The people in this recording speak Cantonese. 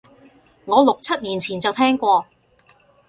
我六七年前就聽過